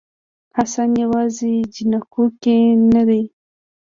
حسن یوازې جینکو کې نه دی